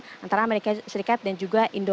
tidak hanya antara amerika serikat dan juga jokowi dodo